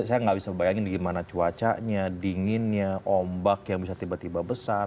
saya nggak bisa bayangin gimana cuacanya dinginnya ombak yang bisa tiba tiba besar